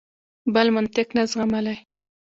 بل منطق نه زغملای.